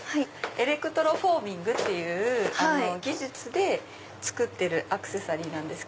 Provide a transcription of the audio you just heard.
エレクトロフォーミングっていう技術で作ってるアクセサリーです。